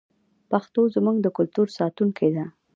پښتو زموږ د کلتور ساتونکې ده.